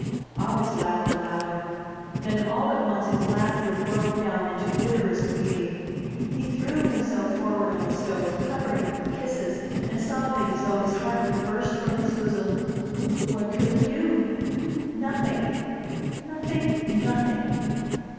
• August laughed aloud; then all at once his laughter broke down into bitterest weeping. He threw himself forward on the stove, covering it with kisses, and sobbing as though his heart would burst from his bosom. What could he do? Nothing, nothing, nothing!